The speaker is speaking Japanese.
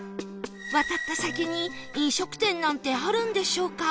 渡った先に飲食店なんてあるんでしょうか？